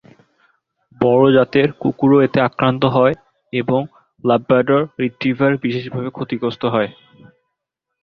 বড় জাতের কুকুরও এতে আক্রান্ত হয় এবং লাব্রাডর রিট্রিভার বিশেষভাবে ক্ষতিগ্রস্ত হয়।